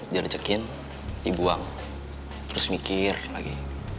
dia recekin dibuang terus mikir lagi